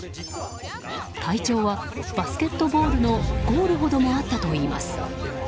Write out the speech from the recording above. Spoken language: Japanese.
体長はバスケットボールのゴールほどもあったといいます。